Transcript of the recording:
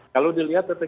kalau dilihat ptkn itu